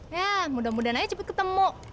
ya mudah mudahan aja cepet ketemu